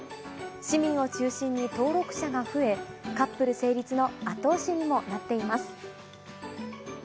市民を中心に登録者が増え、カップル成立の後押しにもなっています。